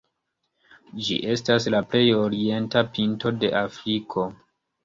Ĝi estas la plej orienta pinto de Afriko.